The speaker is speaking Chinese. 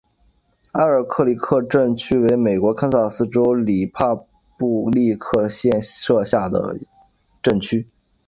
埃尔克里克镇区为美国堪萨斯州里帕布利克县辖下的镇区。